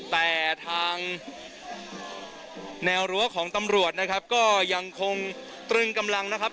แต่ทางแนวรั้วของตำรวจนะครับก็ยังคงตรึงกำลังนะครับ